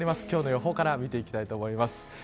今日の予報から見ていきたいと思います。